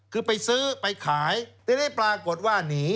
คือไปซื้อไปขายได้ได้ปรากฏว่านี่